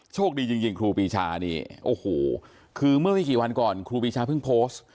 โชคดีจริงครูปีชานี่โอ้โหคือเมื่อไม่กี่วันก่อนครูปีชาเพิ่งโพสต์